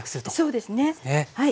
そうですね。